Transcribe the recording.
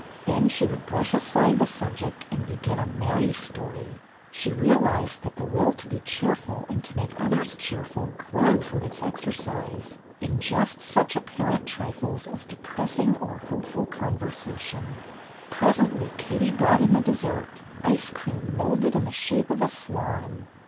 Then she would brush aside the subject and begin a merry story. She realized that the will to be cheerful and to make others cheerful grows with its exercise in just such apparent trifles as depressing or hopeful conversation. Presently Katie brought in the dessert, ice cream moulded in the shape of a swan.